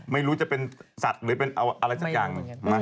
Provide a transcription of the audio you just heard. ไม่รู้จะเป็นสัตว์หรือเป็นอะไรจัง